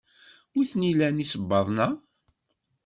Wi t-nilan isebbaḍen-a?